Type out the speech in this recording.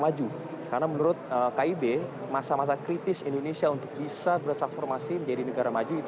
maju karena menurut kib masa masa kritis indonesia untuk bisa bertransformasi menjadi negara maju itu